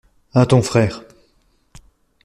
À ton frère.